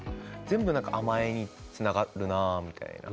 全部何かあまえにつながるなあみたいな。